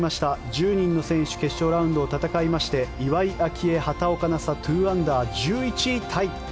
１０人の選手決勝ラウンドを戦いまして岩井明愛、畑岡奈紗２アンダー、１１位タイ。